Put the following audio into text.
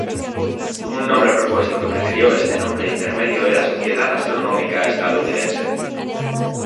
Un nombre propuesto que precedió este nombre intermedio era Sociedad Astronómica Estadounidense.